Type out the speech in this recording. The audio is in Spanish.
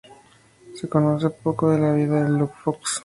Se conoce poco de la vida de Luke Fox.